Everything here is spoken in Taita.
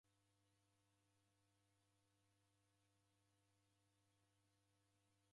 Ijo izungu ni w'asi kujizighana.